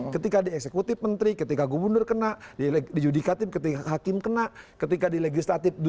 ketika dieksekutif menteri ketika gubernur kena dijudikatif ketika hakim kena ketika dilegislatif